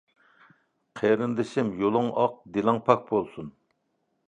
قېرىندىشىم، يولۇڭ ئاق، دىلىڭ پاك بولسۇن!